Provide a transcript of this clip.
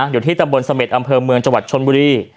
อยู่ที่ตำรวจสเมษอำเภอเมืองจวัดชนบุรี